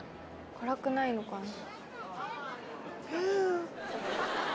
辛くないのかな？